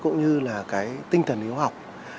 cũng như là cái ý chí phân đấu vượt lên nỗ lực hoàn cảnh